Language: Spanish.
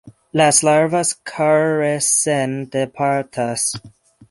Las larvas carecen de patas.